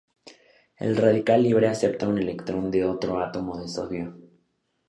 El radical libre acepta un electrón de otro átomo de sodio.